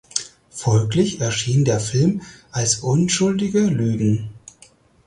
Folglich erschien der Film als "Unschuldige Lügen".